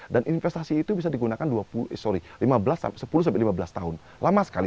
dan investasi itu bisa digunakan sepuluh hingga lima belas tahun lama sekali